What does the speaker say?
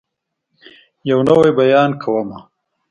يو نوی بيان کومه